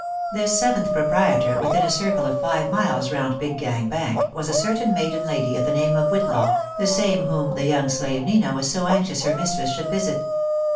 This seventh great proprietor, within a circle of five miles round Big Gang Bank, was a certain maiden lady of the name of Whit law, the same whom the young slave, Nina, was so anxious her mistress should visit.